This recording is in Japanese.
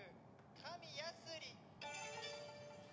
紙やすり。